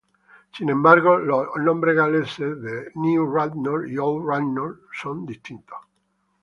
Sin embargo, los nombres galeses de New Radnor y Old Radnor son diferentes.